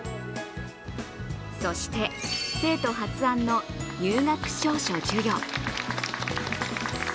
そして、生徒発案の入学証書授与。